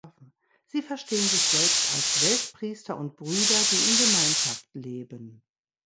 Sie verstehen sich selbst als Weltpriester und Brüder, die in Gemeinschaft leben.